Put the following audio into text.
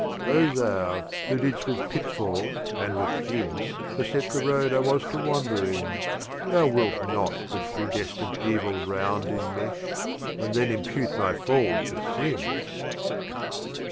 Oh Thou, who didst with pitfall and with gin Beset the Road I was to wander in, Thou wilt not with Predestined Evil round Enmesh, and then impute my Fall to Sin!